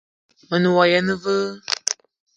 Me ne wa yene aveu?